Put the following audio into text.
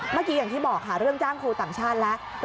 เมื่อกี้อย่างที่บอกค่ะเรื่องจ้างครูต่างชาติแล้ว